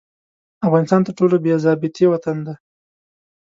افغانستان تر ټولو بې ضابطې وطن دي.